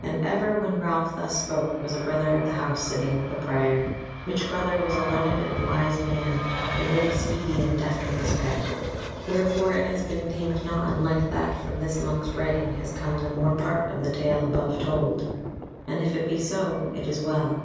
And ever when Ralph thus spoke was a brother of the House sitting with the Prior, which brother was a learned and wise man and very speedy and deft with his pen. Wherefore it has been deemed not unlike that from this monk's writing has come the more part of the tale above told. And if it be so, it is well.